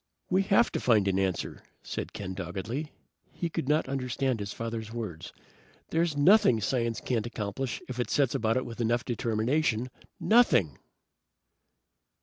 "We have to find an answer," said Ken doggedly. He could not understand his father's words. "There's nothing science can't accomplish if it sets about it with enough determination. Nothing!"